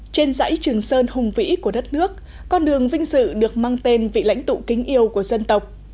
trên dãy trường sơn hùng vĩ của đất nước con đường vinh dự được mang tên vị lãnh tụ kính yêu của dân tộc